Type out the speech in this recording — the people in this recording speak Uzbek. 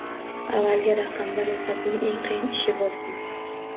Avvalgi raqamda ro’yxatning eng qiyin ishi bo’lsin